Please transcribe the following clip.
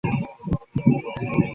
সকাল আটটায় alarm set করুন।